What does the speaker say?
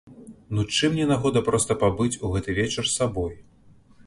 Ну, чым не нагода проста пабыць у гэты вечар сабой?